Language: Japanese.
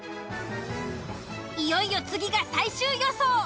いよいよ次が最終予想。